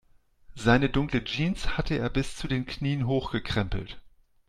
Seine dunkle Jeans hatte er bis zu den Knien hochgekrempelt.